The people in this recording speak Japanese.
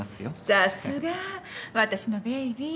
さすが私のベイビー。